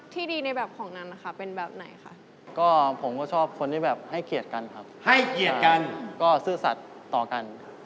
พี่โรเบิร์ตก็มาว่ะ